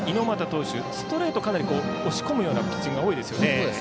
猪俣投手、ストレートかなり押し込むようなピッチングが多いですよね。